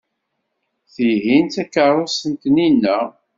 Tihin d takeṛṛust n Taninna.